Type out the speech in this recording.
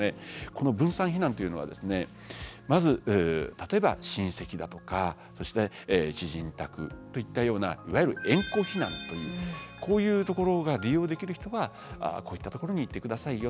この分散避難というのはまず例えば親戚だとかそして知人宅といったようないわゆる縁故避難というこういうところが利用できる人はこういったところに行って下さいよ。